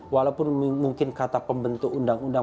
walaupun mungkin kata pembentuk undang undang